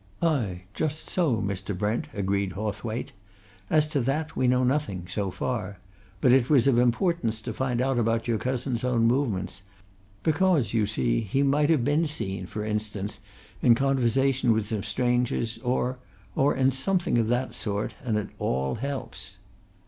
"Ay, just so, Mr. Brent," agreed Hawthwaite. "As to that, we know nothing so far. But it was of importance to find out about your cousin's own movements, because, you see, he might have been seen, for instance, in conversation with some stranger, or or something of that sort, and it all helps."